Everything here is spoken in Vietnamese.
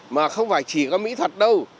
mà không phải chỉ có mỹ thuật đâu